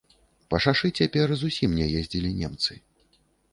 Па шашы цяпер зусім не ездзілі немцы.